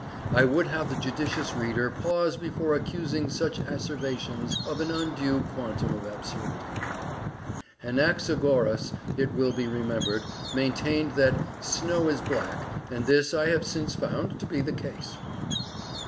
I would have the judicious reader pause before accusing such asseverations of an undue quantum of absurdity. Anaxagoras, it will be remembered, maintained that snow is black, and this I have since found to be the case.